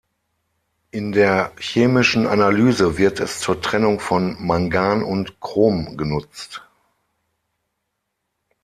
In der chemischen Analyse wird es zur Trennung von Mangan und Chrom genutzt.